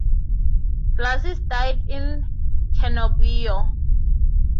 Blasis died in Cernobbio.